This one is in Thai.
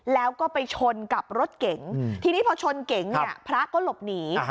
แล้วก็ไปชนกับรถเก๋งทีนี้พอชนเก๋งเนี่ยพระก็หลบหนี